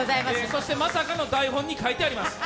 そしてまさかの台本に書いてあります。